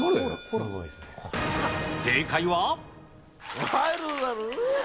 正解は。